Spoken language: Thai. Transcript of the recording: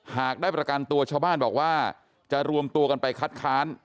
หากได้ประกันตัวชาวบ้านบอกว่าจะรวมตัวกันไปคัดค้าน